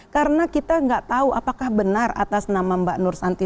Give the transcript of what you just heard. karena kita nggak tahu apakah benar atas nama mbak nursanti